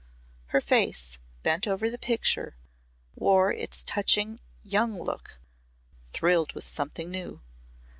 Her face, bent over the picture, wore its touching young look thrilled with something new.